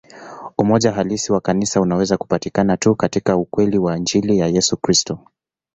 Umoja halisi wa Kanisa unaweza kupatikana tu katika ukweli wa Injili ya Yesu Kristo.